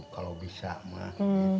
kalau bisa emak